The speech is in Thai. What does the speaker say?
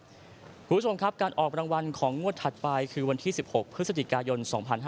คุณผู้ชมครับการออกรางวัลของงวดถัดไปคือวันที่๑๖พฤศจิกายน๒๕๕๙